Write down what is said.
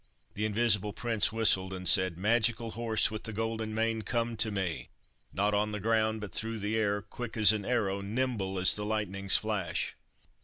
The Invisible Prince whistled, and said— "Magical horse with the golden mane, come to me, not on the ground but through the air, quick as an arrow, nimble as the lightning's flash."